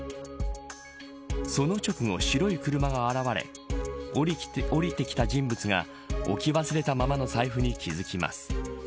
その直後、白い車が現れ降りてきた人物が置き忘れたままの財布に気付きます。